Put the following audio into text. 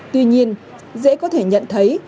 tuy nhiên dễ có thể nhận thấy